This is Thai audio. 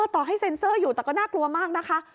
ต่อให้เซ็นเซอร์อยู่แต่ก็น่ากลัวมากนะคะ